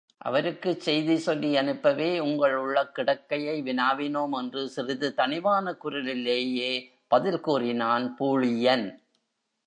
அவருக்குச் செய்தி சொல்லி அனுப்பவே உங்கள் உள்ளக்கிடக்கையை வினாவினோம் என்று சிறிது தணிவான குரலிலேயே பதில் கூறினான் பூழியன்.